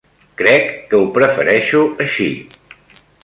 Crec que ho prefereixo així.